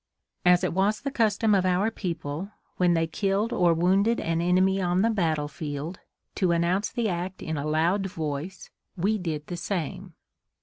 As it was the custom of our people, when they killed or wounded an enemy on the battle field, to announce the act in a loud voice, we did the same.